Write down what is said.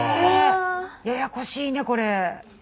ややこしいねこれ。